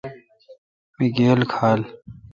می گیل کھال۔